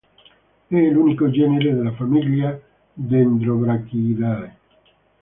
È l'unico genere della famiglia Dendrobrachiidae.